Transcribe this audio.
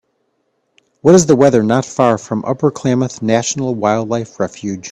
What is the weather not far from Upper Klamath National Wildlife Refuge?